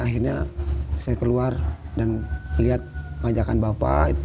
akhirnya saya keluar dan melihat ngajakan bapak